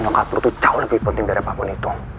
yang gak perlu tuh jauh lebih penting daripada apapun itu